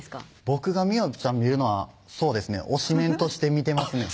僕がみおぴちゃん見るのはそうですね推しメンとして見てますね